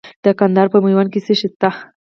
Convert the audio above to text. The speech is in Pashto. د کندهار په میوند کې څه شی شته؟